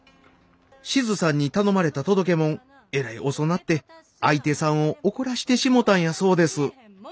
シズさんに頼まれた届け物えらい遅なって相手さんを怒らしてしもたんやそうです。